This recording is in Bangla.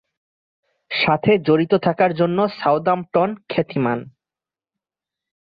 সাথে জড়িত থাকার জন্য সাউদাম্পটন খ্যাতিমান।